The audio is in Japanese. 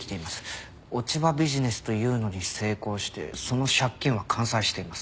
落ち葉ビジネスというのに成功してその借金は完済しています。